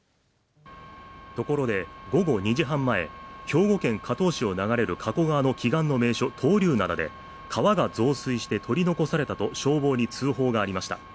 ところで午後２時半前、兵庫県加東市を流れる加古川の奇岩の名所闘竜灘で、川が増水して取り残されたと消防に通報がありました。